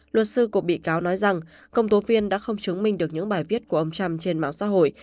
luật sư của bị cáo nói rằng công tố viên đã không chứng minh được những bài viết của ông trump trên mạng xã hội